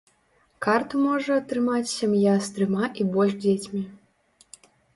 Карту можа атрымаць сям'я з трыма і больш дзецьмі.